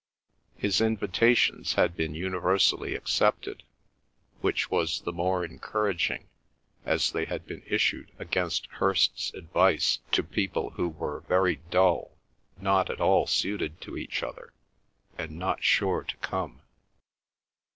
His invitations had been universally accepted, which was the more encouraging as they had been issued against Hirst's advice to people who were very dull, not at all suited to each other, and sure not to come.